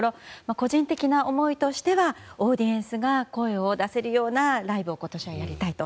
個人的な思いとしてはオーディエンスが声を出せるようなライブを今年はやりたいと。